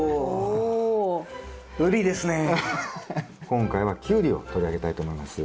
今回はキュウリを取り上げたいと思います。